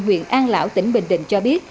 huyện an lão tỉnh bình định cho biết